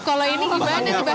kalau ini bahannya apa aja tuh